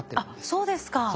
あっそうですか。